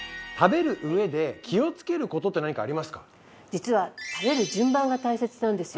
実は食べる順番が大切なんですよ